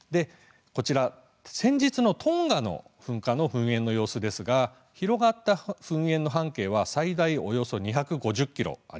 こちら先日のトンガの噴火の噴煙の様子ですが広がった噴煙の半径は最大およそ２５０ｋｍ。